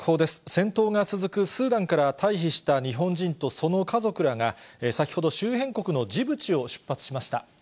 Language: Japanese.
戦闘が続くスーダンから退避した日本人とその家族らが、先ほど、周辺国のジブチを出発しました。